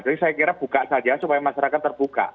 jadi saya kira buka saja supaya masyarakat terbuka